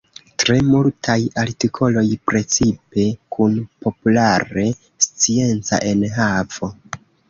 Tre multaj artikoloj precipe kun populare scienca enhavo.